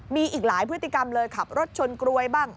มีอีกหลายพฤติกรรมเลยขับรถชนกรวยบ้าง